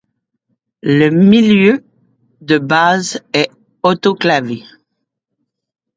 Le milieu de base est autoclavé.